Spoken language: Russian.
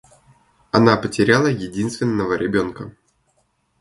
Она потеряла единственного ребенка.